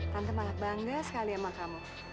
tante sangat bangga sekali sama kamu